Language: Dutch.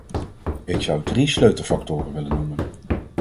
Ik zou drie sleutelfactoren willen noemen.